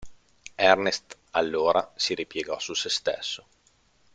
Ernest, allora, si ripiegò su se stesso.